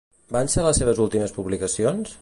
Van ser les seves últimes publicacions?